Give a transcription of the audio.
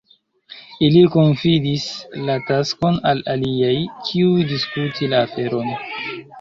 Ili konfidis la taskon al aliaj, kiuj diskutu la aferon.